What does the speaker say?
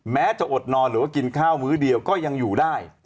จะอดนอนหรือว่ากินข้าวมื้อเดียวก็ยังอยู่ได้